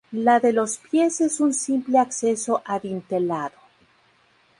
La de los pies es un simple acceso adintelado.